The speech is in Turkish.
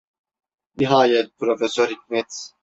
Nihayet Profesör Hikmet: